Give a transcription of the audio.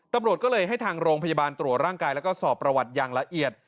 ตำรวจก็เลยให้ทางโรงพยาบาลตรวจร่างกายแล้วก็สอบประวัติอย่างละเอียด